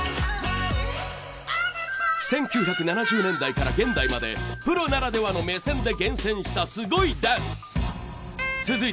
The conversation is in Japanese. １９７０年代から現代までプロならではの目線で厳選したすごいダンス。